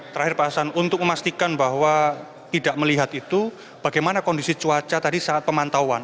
terakhir pak hasan untuk memastikan bahwa tidak melihat itu bagaimana kondisi cuaca tadi saat pemantauan